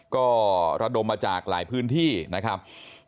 ก็ระดมมาจากหลายพื้นที่นะครับ